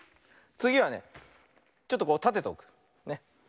つぎはねちょっとたてておく。ね。